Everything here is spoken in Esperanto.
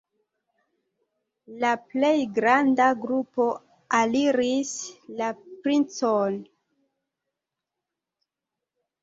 La plej granda grupo aliris la princon.